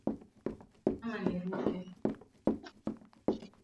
ongeza vikombe mbili vya maji